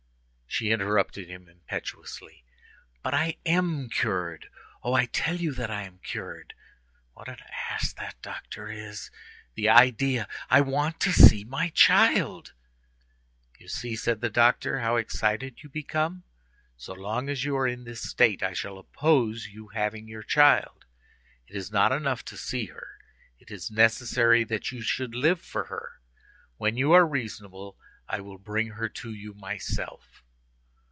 She interrupted him impetuously:— "But I am cured! Oh, I tell you that I am cured! What an ass that doctor is! The idea! I want to see my child!" "You see," said the doctor, "how excited you become. So long as you are in this state I shall oppose your having your child. It is not enough to see her; it is necessary that you should live for her. When you are reasonable, I will bring her to you myself."